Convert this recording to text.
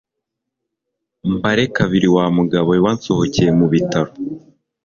mbare kabiri wamugabo we wansohokeye mu bitaro